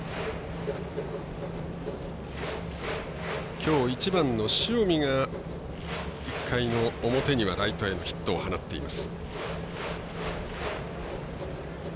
きょう１番の塩見が１回の表にはライトへのヒットを放っています。